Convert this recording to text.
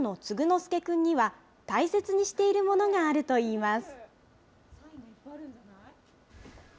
介君には、大切にしているものがあるといいます。